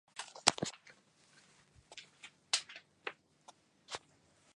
雷兰德出生于俄罗斯帝国芬兰大公国的库尔基约基的儿子。